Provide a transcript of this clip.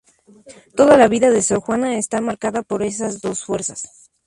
Toda la vida de sor Juana está marcada por esas dos fuerzas.